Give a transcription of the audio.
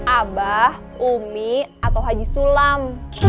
abah umi atau haji sulam